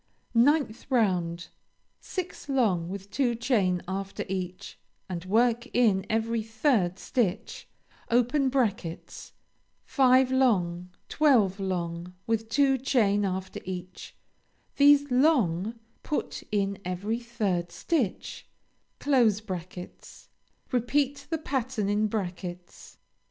9th round Six long with two chain after each and work in every third stitch, (five long, twelve long with two chain after each, these long put in every third stitch); repeat the pattern in brackets.